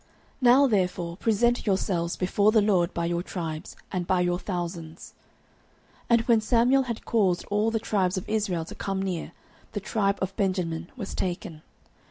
Now therefore present yourselves before the LORD by your tribes, and by your thousands. 09:010:020 And when Samuel had caused all the tribes of Israel to come near, the tribe of Benjamin was taken.